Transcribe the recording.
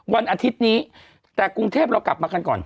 วันอาทิตย์นี้แต่กรุงเทพเรากลับมากันก่อน